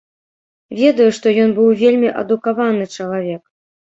Ведаю, што ён быў вельмі адукаваны чалавек.